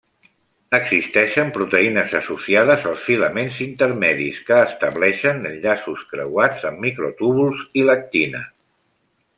Existeixen proteïnes associades als filaments intermedis que estableixen enllaços creuats amb microtúbuls i l'actina.